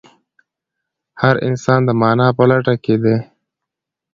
هر انسان د مانا په لټه کې دی.